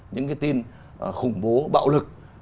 những cái tin khủng bố bạo lực